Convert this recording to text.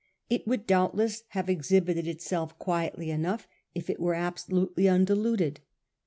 It would doubtless have exhibited itself quietly enough if it were absolutely undiluted.